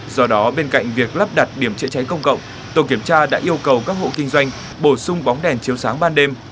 do đó bên cạnh việc lắp đặt điểm chữa cháy công cộng tổ kiểm tra đã yêu cầu các hộ kinh doanh bổ sung bóng đèn chiếu sáng ban đêm